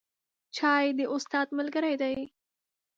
چای د استاد ملګری دی